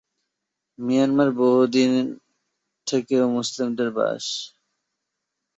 মিয়ানমারে বহুদিন থেকেও মুসলিমদের বাস।